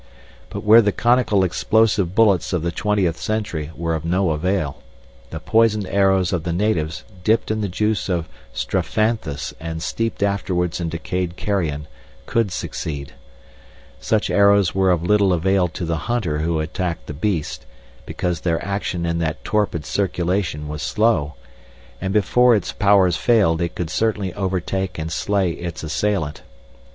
But where the conical explosive bullets of the twentieth century were of no avail, the poisoned arrows of the natives, dipped in the juice of strophanthus and steeped afterwards in decayed carrion, could succeed. Such arrows were of little avail to the hunter who attacked the beast, because their action in that torpid circulation was slow, and before its powers failed it could certainly overtake and slay its assailant.